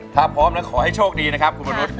ถ้าพร้อมแล้วขอให้โชคดีนะครับคุณมนุษย์